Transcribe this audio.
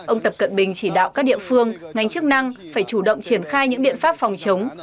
ông tập cận bình chỉ đạo các địa phương ngành chức năng phải chủ động triển khai những biện pháp phòng chống